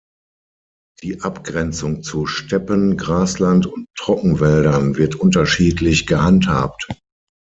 Die Abgrenzung zu Steppen, Grasland und Trockenwäldern wird unterschiedlich gehandhabt.